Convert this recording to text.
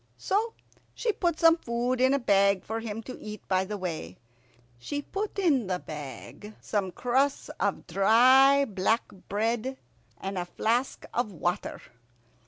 So she put some food in a bag for him to eat by the way. She put in the bag some crusts of dry black bread and a flask of water.